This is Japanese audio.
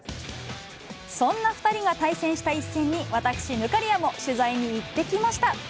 そんな２人が対戦した一戦に、私、忽滑谷も取材に行ってきました。